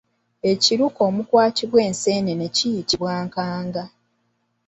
Ekiruke omukwatirwa enseenene kiyitibwa nkanga.